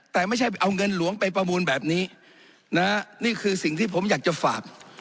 แต่ไม่ใช่เอาเงินหลวงไปประมูลแบบนี้นะนี่คือสิ่งที่ผมอยากจะฝาก